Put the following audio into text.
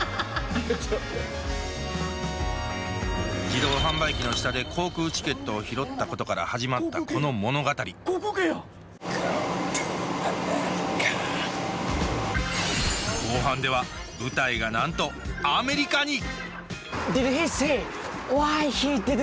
自動販売機の下で航空チケットを拾ったことから始まったこの物語後半では舞台がなんとアメリカに！